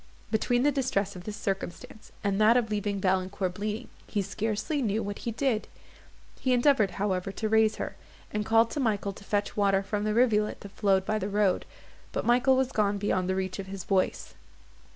Between the distress of this circumstance and that of leaving Valancourt bleeding, he scarcely knew what he did; he endeavoured, however, to raise her, and called to Michael to fetch water from the rivulet that flowed by the road, but Michael was gone beyond the reach of his voice.